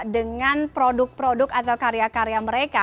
dengan produk produk atau karya karya mereka